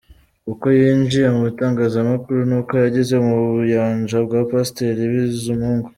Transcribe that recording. Uko yinjiye mu itangazamakuru n’uko yageze mu Buyanja bwa Pasteur Bizimungu.